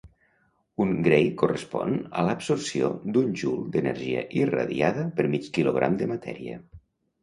Un gray correspon a l'absorció d'un joule d'energia irradiada per mig quilogram de matèria.